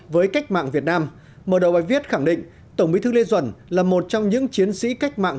với cách mạng việt nam mở đầu bài viết khẳng định tổng bí thư lê duẩn là một trong những chiến sĩ cách mạng